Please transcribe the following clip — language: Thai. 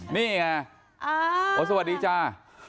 นี่ไงสวัสดีจ้า